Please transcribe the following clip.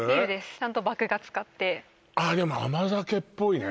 ちゃんと麦芽使ってああでも甘酒っぽいね